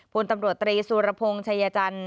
พลตำรวจตรีสุรพงศ์ชัยจันทร์